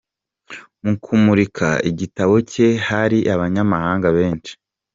Mu kumurika igitabo cye hari abanyamahanga benshi.